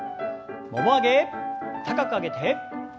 もも上げ高く上げて。